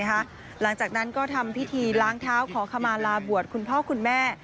หลังจากนั้นก็ทำพิธีล้างเท้าขอขมาลาบวชคุณพ่อคุณแม่